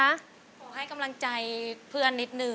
ขอให้กำลังใจเพื่อนนิดนึง